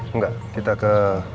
enggak kita ke